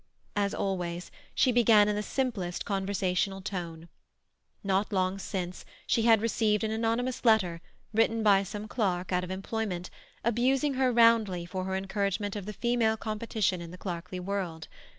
As always, she began in the simplest conversational tone. Not long since she had received an anonymous letter, written by some clerk out of employment, abusing her roundly for her encouragement of female competition in the clerkly world.